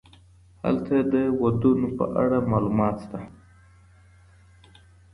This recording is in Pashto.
هلته د ودونو په اړه معلومات سته.